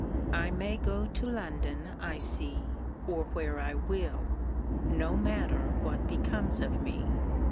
I may go to London, I see, or where I will. No matter what becomes of me.